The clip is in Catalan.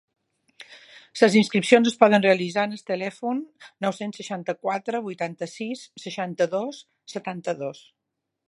Les inscripcions es poden realitzar en el telèfon nou-cents seixanta-quatre vuitanta-sis seixanta-dos setanta-dos.